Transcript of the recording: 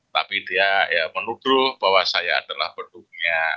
tapi dia menuduh bahwa saya adalah pendukungnya tiga